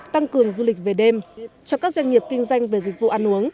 tăng cường du lịch về đêm cho các doanh nghiệp kinh doanh về dịch vụ ăn uống